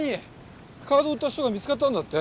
カードを売った人が見つかったんだって？